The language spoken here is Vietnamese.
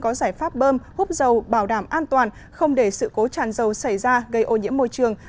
có giải pháp bơm hút dầu bảo đảm an toàn không để sự cố tràn dầu xảy ra gây ô nhiễm môi trường